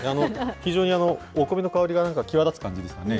非常にお米の香りが際立つ感じですかね。